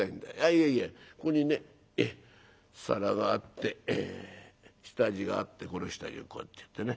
いやいやここにね皿があって下地があってこれを下地にこうやってやってね。